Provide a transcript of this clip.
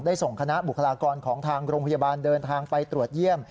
ส่งคณะบุคลากรของทางโรงพยาบาลเดินทางไปตรวจเยี่ยม